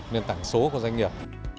nền tảng số của doanh nghiệp